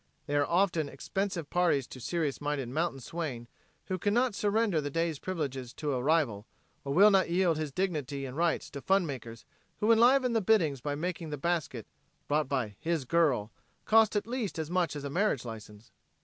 They are often expensive parties to a serious minded mountain swain who can not surrender the day's privileges to a rival or will not yield his dignity and rights to fun makers who enliven the biddings by making the basket, brought by "his girl," cost at least as much as a marriage license.